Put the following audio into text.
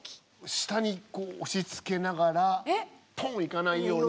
下にこう押しつけながらポーンいかないように。